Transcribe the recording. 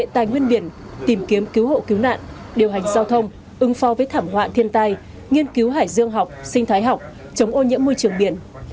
tài nguyên biển tìm kiếm cứu hộ cứu nạn điều hành giao thông ứng phó với thảm họa thiên tai nghiên cứu hải dương học sinh thái học chống ô nhiễm môi trường biển